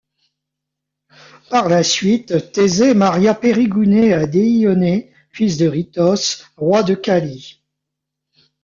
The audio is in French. Par la suite, Thésée maria Périgouné à Déionée, fils d’Eurytos, roi d’Œchalie.